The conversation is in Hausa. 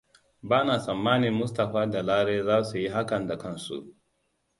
Ba na tsammanin Mustapha da Lare za su yi hakan da kansu.